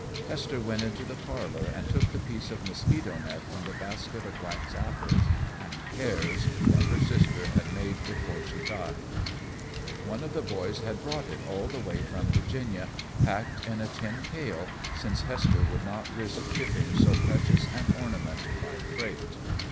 Hester went into the parlor and took the piece of mosquito net from the basket of wax apples and pears that her sister had made before she died. One of the boys had brought it all the way from Virginia, packed in a tin pail, since Hester would not risk shipping so precious an ornament by freight.